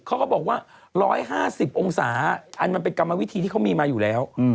เขาก็บอกว่า๑๕๐องศาอันมันเป็นกรรมวิธีที่เขามีมาอยู่แล้ว